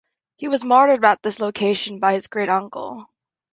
He was martyred at this location by his greatuncle.